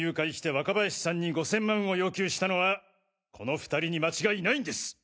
若林さんに５０００万を要求したのはこの２人に間違いないんです！